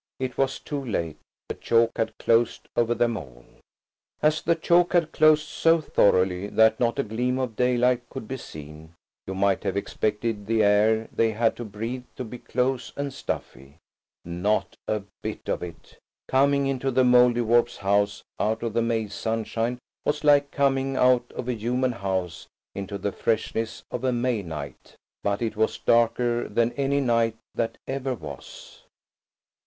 It was too late–the chalk had closed over them all. As the chalk had closed so thoroughly that not a gleam of daylight could be seen, you might have expected the air they had to breathe to be close and stuffy. Not a bit of it! Coming into the Mouldiwarp's house out of the May sunshine was like coming out of a human house into the freshness of a May night. But it was darker than any night that ever was.